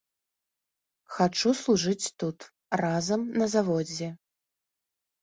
Хачу служыць тут, разам на заводзе!